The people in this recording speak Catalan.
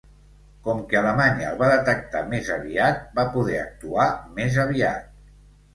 Com que Alemanya el va detectar més aviat, va poder actuar més aviat.